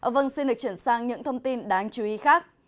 vâng xin được chuyển sang những thông tin đáng chú ý khác